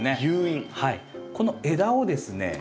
この枝をですね